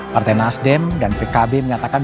partai nasdem dan pkb menyatakan